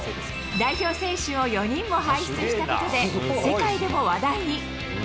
代表選手を４人も輩出したことで、世界でも話題に。